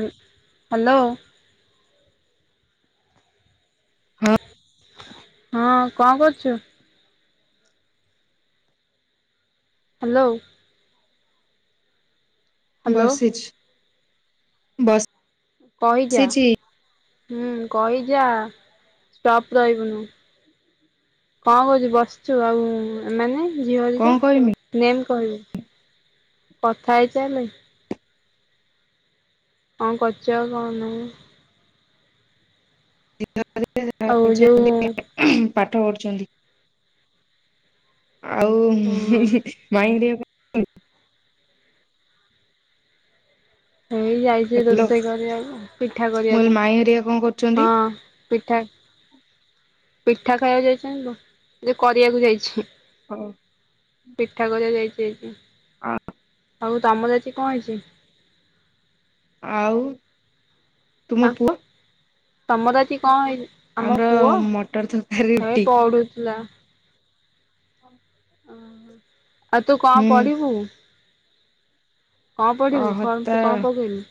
Hello! ହଁ। ହଁ କଣ କରୁଛୁ? ହ୍ୟାଲୋ! ହ୍ୟାଲୋ ବସଛି ବସ୍ କହିଯା। ହୁଁ କହିଯା ପ ରହିବୁନୁ! କଣ କହୁଛିୁ ବସିଛୁ ଆଉ ଏମାନେ ଝିଅ କଣ ଟିକା କରମି ନେମ କହିବୁ କଥା ହେଇଚ ହେଲେ ହଁ କରଚିବା କଣ [unintelligible] ଆଉ ଯୋଉ ପାଠ ପଢ ଆଉ ମାଇଙ୍ଗଡିଆ ପାଇଁ [inaudible] ହେଇ ଯାଇଛି ହ୍ୟାଲୋ ମୁଁ ରୋଷେଇ କରିବାକୁ ପିଠା କରିବାକୁ କହିଲି ମାଇଁ ହେରିକା କଣ କରୁଛନ୍ତି? ହଁ ପିଠା। ପିଠା ଖାଇବାକୁ ଯାଇଛନ୍ତି କରିବାକୁ ଯାଇଛି। ହଁ। ପିଠା କ ଯାଇଛି ଏକି ହଁ। ଆଉ ତାମ ଯାତିଛି କଣ ହେଇଛି? ଆଉ ତୁମ ପୁଅ? ତମର ଏଠ କଣ ହେଇ, ଆମ ଆମର ପୁଅ! ମଟର ତରକାରୀ ହେବେ ରୁଟି ପଢୁଥିଲା। ଓ ଆଉ ତୁ କଣ ହୁଁ ପଡିବୁ? କଣ ପଡିବୁ ଅହତା କଣ ପକେଇନି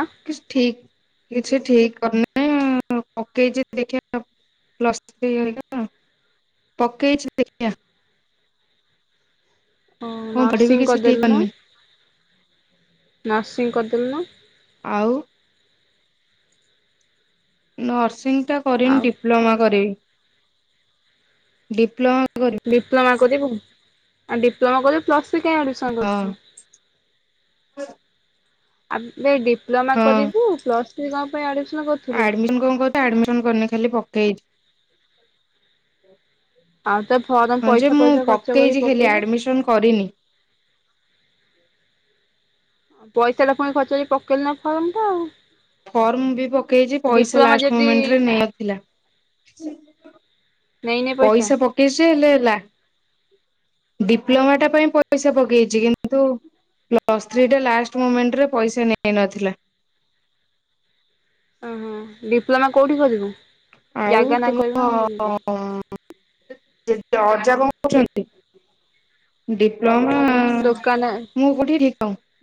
ଆଁ? କିଛି ଠିକ କିଛି ଠିକ କରଁ [unintelligible] ପକେଇଚି ଦେଖିଆ ପ୍ଲସ ଥ୍ରି। [unintelligible] ପକେଇଚି ଦେଖିଆ। ହଁ କଣ ପଢିବି ନର୍ସିଂ କିଛି ଠିକ କରିଦେଲୁନୁ। କରିନି ନର୍ସିଂ କରିଦେଲୁନୁ। ଆଉ ନର୍ସିଂ ଟା କରିନି ଆଉ ଡିପ୍ଲୋମା କରିବି ଡିପ୍ଲୋମା କରିବି। ଡିପ୍ଲୋମା କରିବୁ, ଆ ଡିପ୍ଲୋମା କରିବୁ ପ୍ଲସ ଥ୍ରି କାଇଁ ଆଡ୍ମିସନ୍ କରୁଥିଲୁ? ହଁ। ଆବ୍ ଏ ଡିପ୍ଲୋମା କରିବୁ ପ୍ଲସ ଥ୍ରି କଣ ପାଇଁ ଆଡମିଶନ୍ ଆଡମିସନ୍ କଣ କର ଆଡମିସନ୍ କରିନି ଖାଲି ପକେଇ ଆଉ ତ ଫର୍ମ ହଁ ଯେ ପଇସା ମୁଁ ପଇସା ଖର୍ଚ୍ଚ କରି ପକେଇଛି ଖାଲି ପକେଇଲୁ। ଆଡମିସନ କରିନି। ହ [inaudible] ଆ ପଇସାଟା ପୁଣି ଖର୍ଚ୍ଚ କକି ପୁଣି ପକେଇଲୁ ନା ଫର୍ମ ଟା ଆଉ। ଫର୍ମ ବି ପକେଇଛି ପଇସା ଡିପ୍ଲୋମା ଲାଷ୍ଟ ଯଦି ମୁମେଣ୍ଟରେ ନେଇନଥିଲା। [inaudible] ପଇସା ପକେଇଛି ହେଲେ ହେଲା। [inaudible] ଡିପ୍ଲୋମାଟା ପାଇଁ ପଇସା ପକେଇଛି କିନ୍ତୁ ପ୍ଲସ୍ ଥ୍ରୀ ଟା ଲାଷ୍ଟ ମୁମେଣ୍ଟରେ ପଇସା ନେଇନଥିଲା। [inaudible] ଓହୋ ଡିପ୍ଲୋମା କୋଉଠି କରିବୁ? ଆଉ ଜାଗା ନା କହିବୁ ତୁମ ନା କଣ ଦେବି କହିବୁ [unintelligible] ଅଜା କଣ କରିଛନ୍ତି? ଡିପ୍ଳୋମା ଦୋକାନ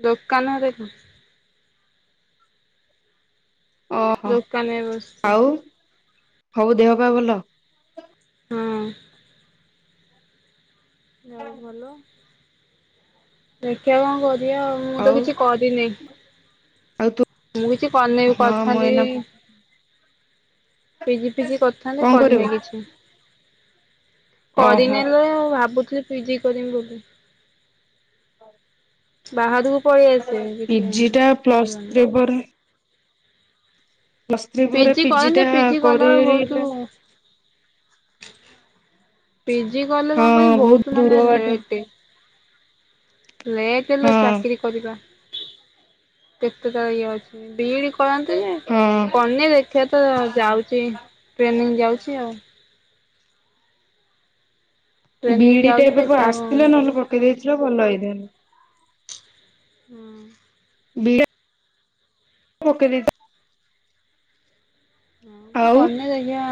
ଦୋକାନରେ। ଓହୋ ଦୋକାନରେ ବସିଛି ଆଉ ସବୁ ଦେହ ପାହା ଭଲ। ହଁ। ଯୋଉ ଭଲ ଦେଖିବା କଣ କ ଏ ୟା ମୁଁ ତ ଆଉ କିଛି କରିନି। ଆଉ ତୁ ମୁଁ କିଛି କରିନେଇବି ହଁ ମୁଁ କରିଥାନ୍ତି ଏଇନା ପିଜି ଫିଜି କରିଥାନ୍ତି କଣ କରିନେଇ କରିବୁ? କିଛି। ଓହୋ କରିନେଲେ ଭାବୁଥିଲି ପିଜି କରିମି ବୋଲି। ବାହାରକୁ ପଲେଇ ଆସ କିଛି ପିଜି ଟା ପ୍ଲସ୍ ସୁବିବନି। ଥ୍ରୀ ପରେ ପ୍ଲସ ଥ୍ରି ପରେ ପିଜି କରନ୍ତି ଟା କଲାବେଳେ କରିଲା ଲି ଲା ବହୁତ ପିଜି କଲେ ହଁ କଣ କହନି ବହୁତ ଦୂର ମାନେ ବାଟ ଲେଟେ। ଲେଟ୍ ହେଲେ ହଁ ଚାକିରୀ କରିବା କେତେ ତାର ଇଏ ଅଛି। ବି ଇ ଡି କରନ୍ତି ଯେ, ହଁ କରିନେଇ ଦେଖିବା ତ ଯାଉଛି ଟ୍ରେନିଂ ଯାଉଛି ଆଉ। ବି ଟ୍ରେନିଂ ଇ ଡି ଟା ଯାଉଛି ଏବେ ପା ଦେଖିବା କଣ ଆସିଥିଲା କରିବା। ନହେଲେ ପକେଇ ଦେଇଥିଲେ ଭଲ ହେଇଥାନ୍ତା। ହୁଁ। ବି ଇ [unintelligible] ପକେଇ ଦେଇ ଥା ହଁ ଆଉ କରିନେଇ ଦେଖିଆ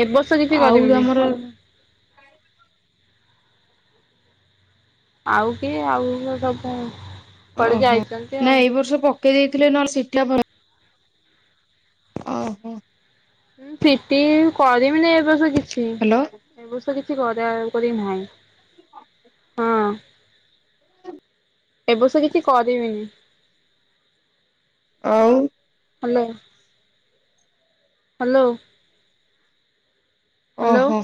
ଏ ବର୍ଷ କିଛି ଆଉ କରିମିନେଇ। ତମର ଆଉ କିଏ ଆଉ ଦବ? ଓହୋ ନାଁ ଏଇ ବର୍ଷ ପକେଇ ଦେଇଥିଲେ ନହଲେ ସିଟ ଟା ଭ ଓହୋ। ସିଟି କରିମିନି ଏ ବର୍ଷ କିଛି ହ୍ୟାଲୋ ଏ ବର୍ଷ କି ଛି କରାକରି ନାହିଁ ହଁ। ଏବର୍ଷ କିଛି କରିବିନି। ଆଉ। ହାଲୋ। ହ୍ୟାଲୋ। ହ୍ୟାଲୋ ଓହୋ।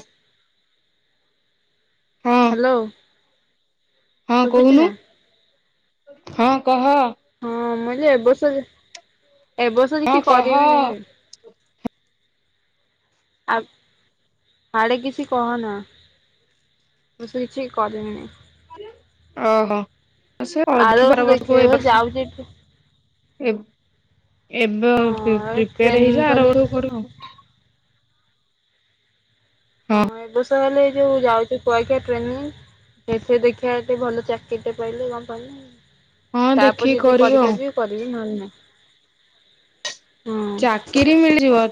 ହଁ ହ୍ୟାଲୋ। ହଁ ଶୁଭୁଛି କହୁନୁ ନା? ହଁ କହ। ହଁ ମୁଁିଲି ଏବଷ ଏବ ବର୍ଷ କିଛି କହ କରିବେ ନି ବି ଆ ହାଡେ କିଛି କହନା। ବସୁ କିଛି କନି। ଓହୋ ସେ ଅଳ ଆର ଦେଖ ବାର ବର୍ଷ ଦେଖିବା ବର୍ଷକୁ ଏ ବର୍ଷ ଯାଉଛି ଏଠି ଏବେ ହଁ ଏ ପ୍ରିପେୟାର ଟ୍ରେନିଂ ହେଇଯ ଆର କଲି ବେଳକୁ କରୁ ଆ। ହଁ ଏ ବର୍ଷ ହେଲେ ଏ ଯୋଉ ଯାଉଛି କୁଆଖିଆ ଟ୍ରେନି ସେଥି ଦେଖିବା ଟେ ଭଲ ଚାକିରରି ଟେ ପାଇଲେ କଣ ପହିଲ। ହଁ ତାପରେ ଦେଖିକି ଯଦି କରିବୁ ଆଉ କରିପାରିବି କରିବି ନ ନ ହେଲେ ନାହିଁ। ହଁ ଚାକିରି ମିଳିଯିବ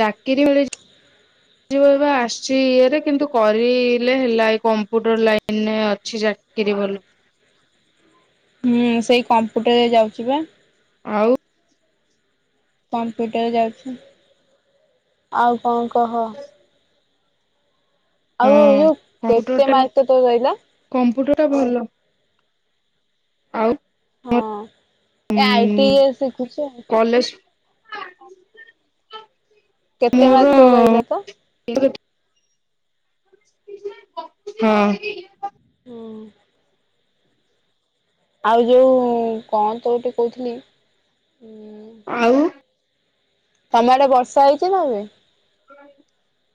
ଚାକିରି ମିଳିଯିବ। ଆସିଛି ଇରେ କିନ୍ତୁ କରିଲେ ହେଲା ଏ କମ୍ପ୍ୟୁଟର ଲାଇନରେ ଅ [unintelligible] ହୁଁ ସେଇ କମ୍ପୁଟରରେ ଯାଉଛି ବା। ଆଉ। କମ୍ପିଟର ଯାଉଛି ଆଉ କଣ କହ। ହୁଁ ଆଉ ଯୋଉ କମ୍ପୁଟର କେତେ ଟା ମାର୍କ ତୋର ରହିଲା କମ୍ପ୍ୟୁଟର ଟା ଭଲ। ଆଉ। ହଁ ଏ ଆଇଟି ଶିଖୁଛ। [inaudible] କେତେ ମୋର ମାର୍କ ତ ରହିଲା ତ? ହଁ। ହଁ। ଆଉ ଯୋଉ କଣ ତ ଟିକେ କହୁଥିଲି ଆଉ ତମେ ଆଡେ ବର୍ଷା ହେଇଛ ନା ଏବେ? [unintelligible]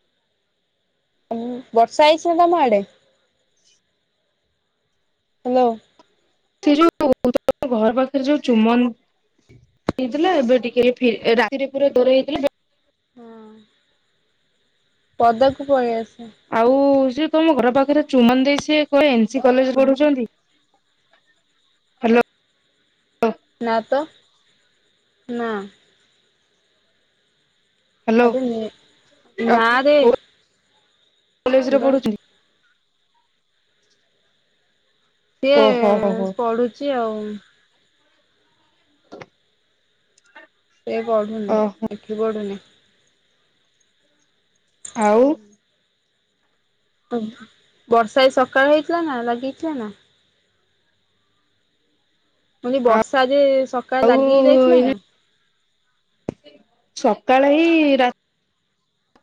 ବର୍ଷା ହେଇଛି ନା ତମ ଆଡେ? ହ୍ୟାଲୋ। ସେ ଯୋଉ ଘର ପାଖରେ ଯୋଉ ଚୁମନ ହେଇଥିଲା ଏବେ ଟିକେ ରାତିରେ ପୁରା ଦର ହେଇଥିଲା ପଦାକୁ ପଳେଇ ଆସ। ଆଉ ସେିଏ ତମ ଘର ପାଖ ରେ ଚୁମନ ଦେଇ ସି କ ଏସି କଲେଜରେ ପଢୁଛନ୍ତି? ହ୍ୟାଲୋ ନା ତ ନା। ହ୍ୟାଲୋ ଆବେ ନା ଆଉ ରେ କଉ କଲେଜରେ ଗୁଡା ପଢ଼ୁଛନ୍ତି? ସିଏ ଓହୋ ହୋ ହୋ ପଢୁଛି ଆଉ। ସେ ପଢୁନ ଓହୋ ଏଠି ବଢୁନ। ଆଉ। ବର୍ଷା ଏ ସକାଳ ହେଇଥିଲା ନା ଲାଗିଥିଲା ନା? ମ ବର୍ଷା ଯେ ସକାଳେ ଆଉ ଲାଗିଇ ଯାଇଥିଲା ଏଇନା ନା? ସକାଳେ ହିଁ ରା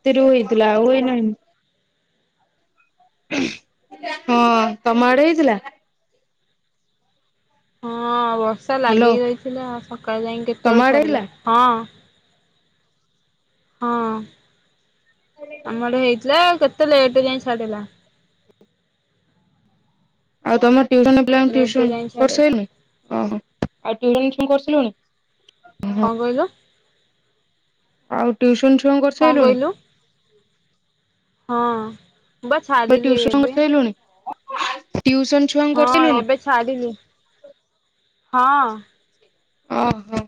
ତିେରୁ ହୋଇଇଥିଲଥିଲା ଓହ ନ। ହଁ ତମ ଆଡେ ହେଇଥିଲା? ହଁ ବର୍ଷା ଲାଗି ହ୍ୟାଲୋ ରହିଥିଲା ସକାଳେ ଯାଇକି ତମ କେତେବେଳେ ଆଡେ ଛଡିଲା ହେଇଥିଲା? ହଁ। ହଁ ଆମ ଆଡେ ହେଇଥିଲା ଏ ଲଠ ଯ ଚାାଡ଼ିଲ। ଆଉ ତମର ଟ୍ୟୁସନ ପ୍ିଲମ ଟ୍ୟୁସନ ଲେଟରେ ଯାଇ କରି ଛାଡେ ସାରିଲୁଣି? ଓହୋ ଆଉ ଟ୍ୟୁସନୁସନ କରିିଲୁଣି? କଣ କହିଲ? ଆଉ ଟଟିଉସନ ଚୁଆ କଣ କରିସାରିଲୁଣି? କହିଲୁ ହଁ ବ ଛାଡିଲି ଟିଉସନ ଏବେ କରିସାରିଲୁଣି? ଟିଉସନ ଛୁଆଙ୍କୁ ହଁ କରିସାରିଲୁଣି? ଏବେ ଛାଡିଲି ହଁ। ଓହୋ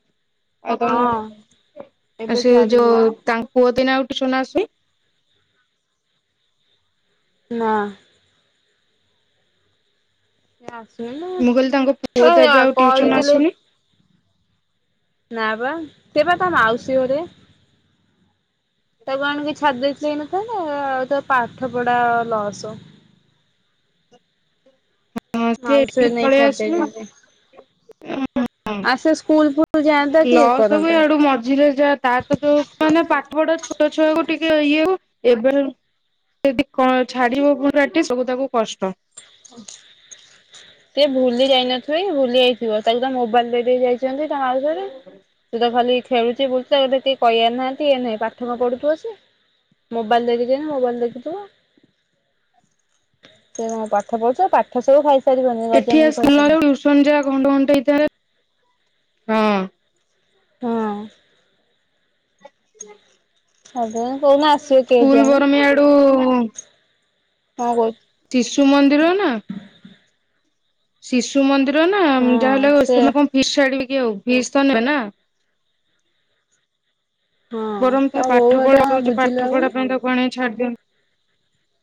ଆଉ କଣ ହଁ ଏବେ ସେ ଛାଡିଲି ଯୋଉ ବା ତାଙ୍କ [unintelligible] ପୁଅ ଦିନ ଉଠିଛୁନାସି ନା। ସେ ଆସିଲ ମୁଁ କହିଲି ତାଙ୍କ ପୁଅ ତ ଏବେ ନା ଏ ଆଉ କ ଟ୍ୟୁସନ ହେଇଥିଲେ ଆସୁନି [unintelligible] ନା ବା ସେ ବା ମାଉସୀ ଘରେ । ତାକୁ ଆଣିକି ଛାଦି ଦେଇଥିଲେ ହେଇନଥାନ୍ତା ଆଉ ତା ପାଠ ପଢା ଲସ୍। ହଁ ସେ ମାଉସ ଏଠିକି ନେଇ ପଳେଇ ଆସୁନି ଚଡ଼ିଦେଚନ୍ତି ଆସ ସ୍କୁଲ ଫଲ ଯ ଲ ସ ହୁଏ ଆଡୁ ମଝିରେ ଯା ତ ତ ଯୋଉ ମାନେ ପାଠ ପଢା ଛୋଟ ଛୁଆକୁ ଟିକେ ଇଏ ହଉ ଏବେ ଯଦି କଣ ଛାଡିବ ପରାଟି ସବୁ ତାକୁ କଷ୍ଟ [unintelligible] ଟଏ ଭୁଲି ଯାଇନଥିବେ ଭୁଲି ଯାଇଥିବ ତାକୁଦ ମୋବାଇଲରେ ବି ଯାଇ ଅଛନ୍ତି ତା ମାଉସୀ ଘରେ। ଖେଳୁଛି ବୁଲୁଚ କହିିବାର ନାହାନ୍ତି ନଁ ପାଠମ ପଢୁଥିବ ସେ? ମୋବାଇଲ ଦେଇଛନ୍ତି ମୋବାଇଲ ଦେଖୁଥିବ ସେ ପାଢୁଛ ପାଠ ସବୁ ଖାଇ ଏଠି ସ୍ସ ଯ ଘଟ ଘଟ ହେଇ ହଁ [unintelligible] ହଁ। ତାପରେ କୋଉଦିନ ଆସିବେ ସ୍କୁଲ ବରମ ଆଡୁ ହଁ କହୁ। ନା ଶିଶୁ ମନ୍ଦିର ନା ଯାହାଲେ ସେ କଣ ଫି ଆଉ ଫିସ୍ ତ ନେବେ ନା [unintelligible] ହଁ ବରଂ ତା ତ ବୋଉ ପାଠ ଏଟା ପଢା କରୁଛି ବୁଝିଲେ ପାଠ ପଢା ହବନି। ପାଇଁ ତା କଣ ଛାଡି ଦିଅନି [unintelligible]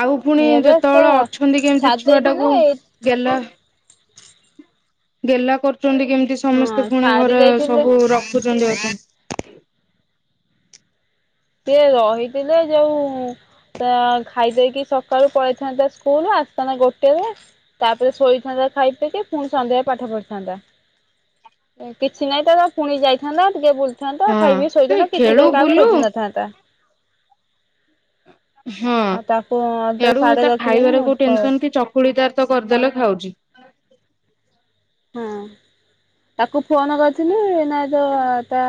ଆଉ ପୁଣି ଏଇଆ ପା ସେ ଯେତେବେଳେ ଅଛନ୍ତି କେମିତି ଛାଡି ଛୁଆ ଦେଇଥିଲେ ଟାକୁ ଗେଲ। ଗେଲା କରୁଛନ୍ତି କେମିତି ହଁ ସମସ୍ତେ ପୁଣି ଛାଡି ଘରେ ଦେଇଥିଲେ ସବୁ ରଖୁ ଧ [unintelligible] ସିଏ ରହିଥିଲେ ଯୋଉ। ତ ଖାଇ ଦେଇେଇକି ସକାଳୁ ପଳେଇଥାନ୍ତା ସ୍କୁଲ ଆସିଥାନ୍ତା ଗୋଟେ ତାପରେ ଶୋଇଥାନ୍ତା ଖାଇ ପ କେ ପୁଣି ସନ୍ଧ୍ୟ ପାଠ ପଢ଼ିଥାନ୍ତା। ଏ କିଛି ନାଇଁ ତ ପୁଣି ଯାଇଥାନ୍ତା ଟିକେ ବୁଲ ଥାନ୍ତାଉ ଖାଇ ହଁ ବିି ସେ ଶୋଇଥାନ୍ତା କିଛି ତ ଖେଳୁ କାହାକୁ ବୁଲୁ ଖୋଜି ନଥାନ୍ତା। ହଁ। ଆଉ ତାକୁ ତ ଆଡୁ ସାଡେ ତା ରଖିଲେନି ଖାଇବାରେ କୋଉ ମୂର୍ଖ ଟେନସନ କି ଚକୁଳି ତାର ତ କରିଦେଲେ ଖାଉଛି। ହଁ ତାକୁ ଫୋନ କରିଥିଲୁ ନଁ ତ ତା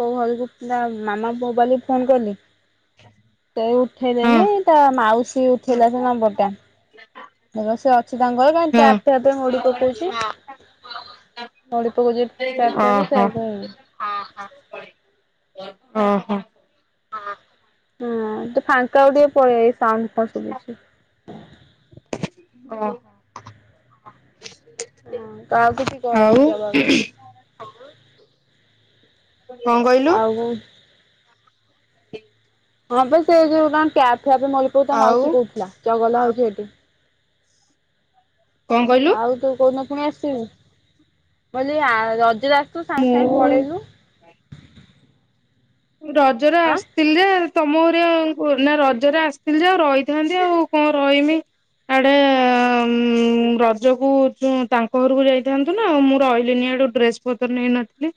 କୋଉ ଘଲ ମାମା ମୋବାଇଲ୍ ଫୋନ କଲି। ସେ ହଁ ଉଠେଇଦେନି ଏ ତା ମାଉସୀ ଉଠେଇଲା ସେ ନମ୍ବର ଟା। ଦେଖ ସେ ଅଛି ତାଙ୍କର ହଁ କାହିଁପପ ମୁୋଡି ପକଉଛି [unintelligible] ନଳିପକ ଯପ ହେବ ଓହୋ ସେ କ [unintelligible] ଓ ହୋ [unintelligible] ହଁ ଫାଙ୍କା ଆ ଟିକେ ପଳେଇ ଏଇ ସା [unintelligible] କସୁଛି [unintelligible] ହଁ। ହ କ ଆଉକୁଛି ଆଉ କନି ଯବା ପାଇଁ [unintelligible] କଣ କହିଲୁ? ଆଉ ହଁ ସେ ଯୋଉ ଟାପ୍ ଫାପ୍ ମୋଡ଼ି ଦଉଥିଲା ଆଉ ମାଉସୀ କହୁଥିଲା ଜଗଲ ହଉଛି ସେଇଠି। କଣ କହିଲୁ ଆଉ ତୁ କୋଉଦିନ ପୁଣି ଆସିବୁ ବ ରଜ ତୁ ସାଙ୍ଗେ ସାଙ୍ଗେ ମୁଁ ପଳେଇଲୁ ରଜରେ ଆଁ ଆସିଥିଲି ଯେ ତମ ଘ ନା ରଜରେ ଆସିଥିଲି ଯେ ଆଉ ରହିଥାନ୍ତି ଆଉ କଣ ରହିମି ଆଡେ ରଜ କୁ ତାଙ୍କ ଘରକୁ ଯାଇଥାନ୍ତୁ ନାଉ ମୁଁ ରହିଲିିନି ଡ୍ରେସ ପତ୍ର ନେଇ ନ ଥିଲେ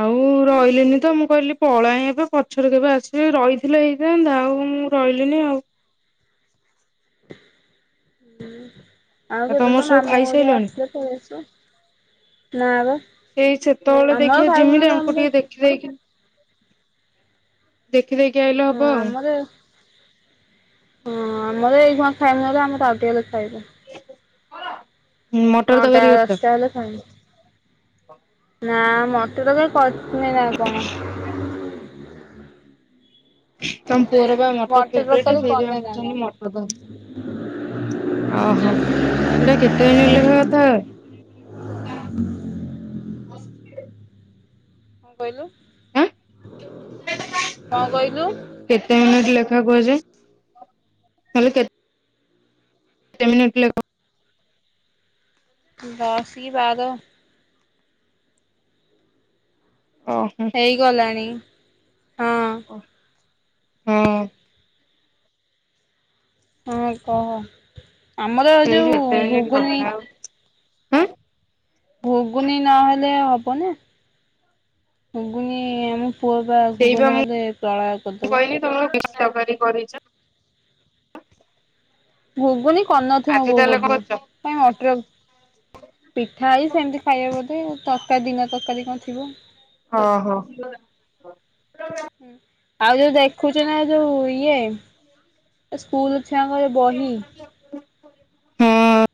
ଆଉ ରହିଲିନି ତ ମୁଁ କହିଲି ପଳାଇ ଏବେ ପଛରେ କେବେ ଆସିବି ରହିଥିଲେ ହେଇଥାନ୍ତା ଆଉ ମୁଁ ରହିଲିନି ଆଉ [unintelligible] ଆଉ କେବେ ତମର ତ ସବୁ ମାମୁଁ ଖାଇସାରିଲଣି? ଆସିଲେ ପଳେଇ ଆସିବ ନା ସେଇ ସେତେବେଳେ ଆମର ଦେଖିବା ଖାଇବୁ ଜିମିିତି ନହେଲେ ୟାଙ୍କୁ ଆମର ହଁ ଟିକେ ଦେଖି ଦେଇକି ଦେଖି ଦେଇକି ଆଇଲେ ହବ ଆଉ ଆମର ହଁ ଆମର ଏଇ ଘ ଖାଇବ ନହେଲେ ଆମର ଆଉ ଟିକେ ହେଲେ ଖାଇବୁ ମୋଟର ନଅଟା ତରକାରି କରିଛ ଦଶଟା ହେଲେ ଖାଇମୁ। ନା ମତେ ତ କରିନି ନା କଣ ତମ ପୁଅର ବା ମଟର ଫେବରାଇଟ ତରକାରୀ କରିନି ନା ସେଇଥିପାଇଁ କଣ। ମୁଁ ମଟର ତ ଓହୋ ଏଇଟା କେତେ ଦିନ ଲେଖା କଥା [unintelligible] [unintelligible] କଣ କହିଲୁ ଆଁ କଣ କହିଲୁ କେତେ ମିନିଟ ଲେଖ କୁ ଅଛି ହେଲେ କେତେ କେତେ ମିନିଟ ଲ କ ଦଶ କି ବାର ଓହୋ ହେଇଗଲାଣି ହଁ ହଁ ହଁ କହ ଆମର ସେଇ ଯୋଉ କେତେ ମିନିଟ୍ ଘୁଗୁନି କଥା ଆଉ ଆଁ ଘୁଗୁନି ନ ହେଲେ ହବ ନା ଘୁଗୁନି ଏମ ପୁଅ ବା ଘୁଗୁନି ନ ହେଲେ ପ୍ରଳୟ କରିଦେବ ତକାରୀ କରିଛ ଘୁଗୁନି କରନଥିବ ଆଜି ବୋଉ ତାହେଲେ ବୋଧେ କଣ କରୁଛ କାଇ ମଟର ପିଠା ହଇ ସେମତି ଖାଇବା ବୋଧେ ତରକାରୀ ଦିନ ତରକାରୀ କଣ ଥିବ ହଁ ହଁ ଆଉ ଯୋଉ ଦେଖୁଛୁ ନା ଯୋଉ ଇଏ ସ୍କୁଲ ସାଙ୍ଗରେ ବହି ହଁ